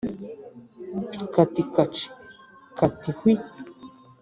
Kati kaci. kati hwi !